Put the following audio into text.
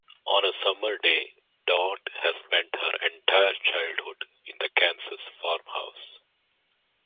On a summer day, Dot has spent her entire childhood in the Kansas farmhouse.